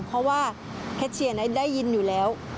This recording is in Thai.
เพราะว่าแคทเชียร์ได้ยินอยู่แล้ว